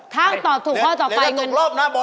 ถ้าตอบถูกข้อต่อไปเงินหรือจะตกรอบนะ